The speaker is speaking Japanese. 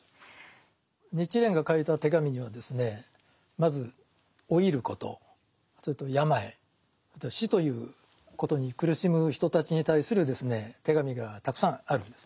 日蓮が書いた手紙にはですねまず老いることそれと病死ということに苦しむ人たちに対する手紙がたくさんあるんですね。